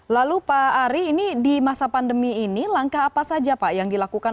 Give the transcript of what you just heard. lalu pak ari ini di masa pandemi ini langkah apa saja pak yang dilakukan